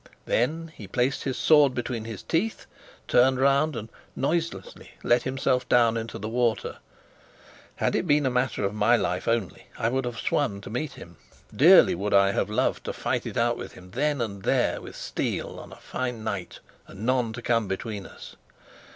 Then he placed his sword between his teeth, turned round, and noiselessly let himself into the water. Had it been a matter of my life only, I would have swum to meet him. Dearly would I have loved to fight it out with him then and there with steel, on a fine night, and none to come between us.